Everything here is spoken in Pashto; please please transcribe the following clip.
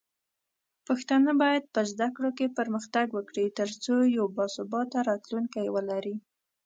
پښتانه بايد په زده کړو کې پرمختګ وکړي، ترڅو یو باثباته راتلونکی ولري.